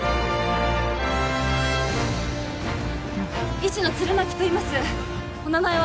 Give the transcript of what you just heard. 医師の弦巻といいますお名前は？